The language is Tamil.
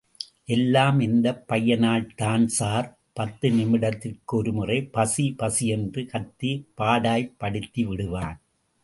எல்லாம் இந்தப் பையனால்தான் சார், பத்து நிமிடத்திற்கு ஒரு முறை பசி பசியென்று கத்தி, பாடாய் படுத்திவிடுவான்.